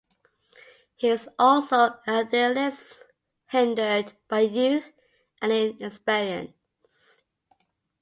He is also an idealist, hindered by youth and inexperience.